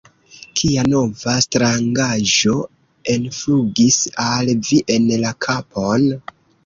Kia nova strangaĵo enflugis al vi en la kapon?